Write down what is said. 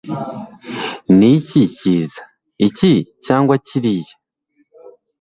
niki cyiza, iki cyangwa kiriya